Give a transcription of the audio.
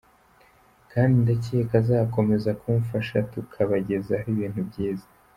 kandi ndakeka azakomeza kumfasha tukabagezaho ibintu byiza.